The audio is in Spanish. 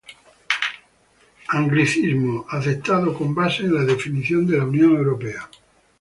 Anglicismo, aceptado con base en la definición de la Unión Europea.